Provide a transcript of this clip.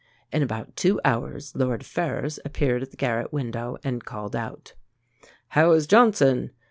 In about two hours Lord Ferrers appeared at the garret window, and called out: 'How is Johnson?'